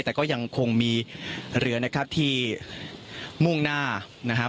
แต่ก็ยังคงมีเรือนะครับที่มุ่งหน้านะครับ